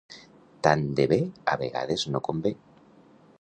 Tant de bé a vegades no convé.